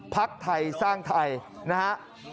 พักไทยสร้างไทยนะฮะ